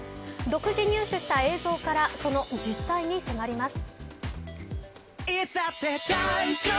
独自入手した映像からその実態に迫ります。